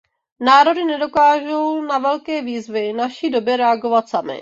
Národy nedokážou na velké výzvy naší doby reagovat samy.